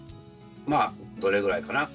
まあどれぐらいかな？